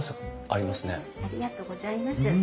ありがとうございます。